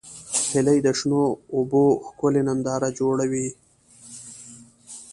هیلۍ د شنو اوبو ښکلې ننداره جوړوي